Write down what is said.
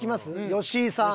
吉井さん。